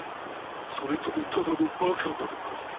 それともただのバカなのか。